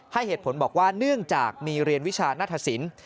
ให้เหตุผลบอกว่าเนื่องจากมีเรียนวิชาณฑสิน